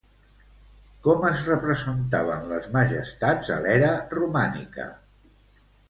Com es representaven les majestats a l'era romànica?